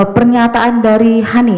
pernyataan dari hany